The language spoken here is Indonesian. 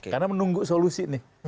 karena menunggu solusi nih